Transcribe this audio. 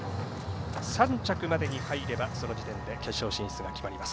３着までに入ればその時点で決勝進出が決まります。